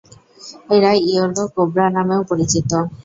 এরা yellow cobra নামেও পরিচিত।